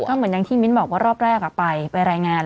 ก็เหมือนอย่างที่มิ้นบอกว่ารอบแรกไปรายงาน